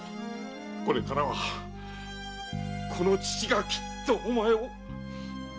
これからはこの父がきっとお前を幸せにいたすぞ！